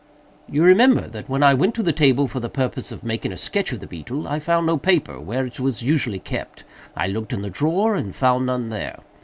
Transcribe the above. "You remember that when I went to the table, for the purpose of making a sketch of the beetle, I found no paper where it was usually kept. I looked in the drawer, and found none there.